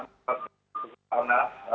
itu saya sama teman